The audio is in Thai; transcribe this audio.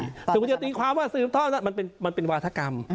สิ่งหรือสิ่งความว่าซื้อทอดนัดมันเป็นวาธกรรม